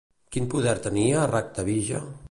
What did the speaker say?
Quin poder tenia Raktabija?